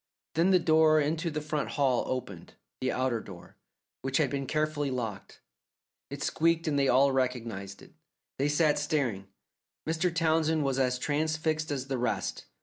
Then the door into the front hall opened the outer door, which had been carefully locked. It squeaked and they all recognized it. They sat staring. Mr. Townsend was as transfixed as the rest.